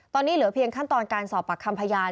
ตอนนี้เหลือเพียงขั้นตอนการสอบปากคำพยาน